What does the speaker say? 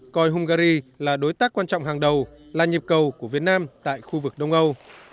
coi hungary là đối tác quan trọng hàng đầu là nhịp cầu của việt nam tại khu vực đông âu